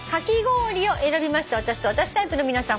私と私タイプの皆さん